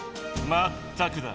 まったくだ。